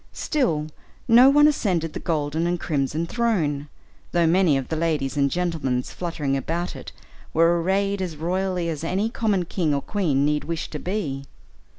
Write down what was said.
Still no one ascended the golden and crimson throne, though many of the ladies and gentlemen fluttering about it were arrayed as royally as any common king or queen need wish to be.